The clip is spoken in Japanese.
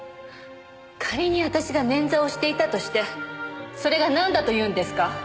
仮に私が捻挫をしていたとしてそれがなんだというんですか？